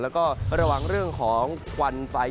แล้วก็ระวังเรื่องของควันไฟ